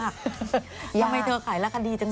ทำไมเธอขายราคาดีจัง